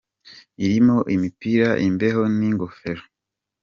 irimo imipira Imbeho n’ingofero.